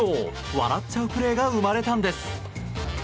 笑っちゃうプレーが生まれたんです。